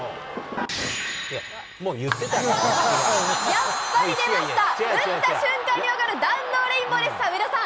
やっぱり出ました、打った瞬間にわかる弾道レインボーです、上田さん。